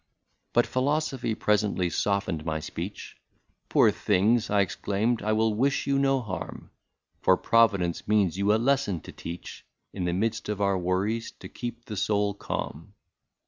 But philosophy presently softened my speech :—" Poor things," I exclaimed, " I will wish you no harm ; For Providence means you a lesson to teach. — In the midst of our worries to keep the soul calm.